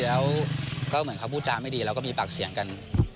แล้วก็เหมือนเขาพูดจาไม่ดีแล้วก็มีปากเสียงกัน